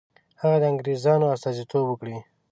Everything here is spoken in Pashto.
هغه د انګرېزانو استازیتوب وکړي.